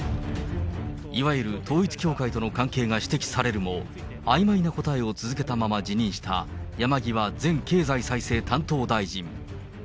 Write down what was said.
いわゆる統一教会との関係が指摘されるも、あいまいな答えを続けたまま辞任した、山際前経済再生担当大臣。